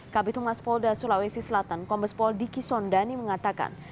kabupaten tungas polda sulawesi selatan kombes pol diki sondani mengatakan